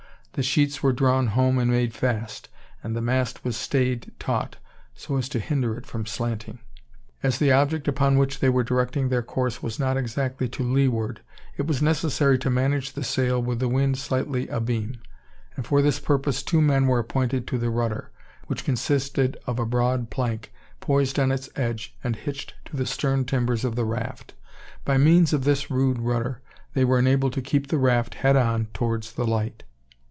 The sheets were drawn home and made fast; and the mast was stayed taut, so as to hinder it from slanting. As the object upon which they were directing their course was not exactly to leeward, it was necessary to manage the sail with the wind slightly abeam; and for this purpose two men were appointed to the rudder, which consisted of a broad plank, poised on its edge and hitched to the stern timbers of the raft. By means of this rude rudder, they were enabled to keep the raft "head on" towards the light.